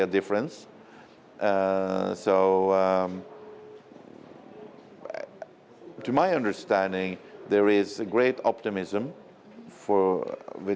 điều đó rất mạnh rất tốt